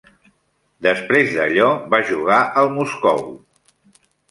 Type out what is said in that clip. Després d'allò, va jugar al Moscou.